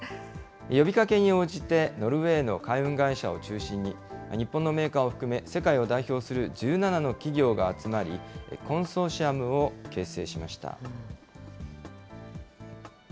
呼びかけに応じて、ノルウェーの海運会社を中心に、日本のメーカーを含め、世界を代表する１７の企業が集まり、コンソーシアムを結成しました。